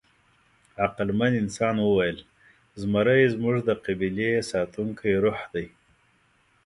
عقلمن انسان وویل: «زمری زموږ د قبیلې ساتونکی روح دی».